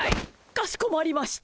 かしこまりました。